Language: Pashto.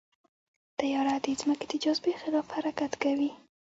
طیاره د ځمکې د جاذبې خلاف حرکت کوي.